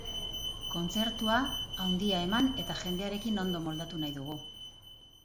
Kontzertua handia eman eta jendearekin ondo moldatu nahi dugu.